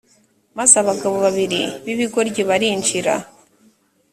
maze abagabo babiri b’ibigoryi barinjira